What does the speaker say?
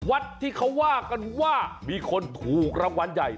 วัดที่เขาว่ากันว่ามีคนถูกรางวัลใหญ่